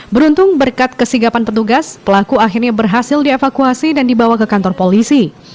beruntung berkat kesigapan petugas pelaku akhirnya berhasil dievakuasi dan dibawa ke kantor polisi